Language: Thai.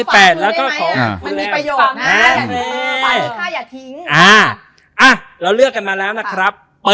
เปิดเลยนะ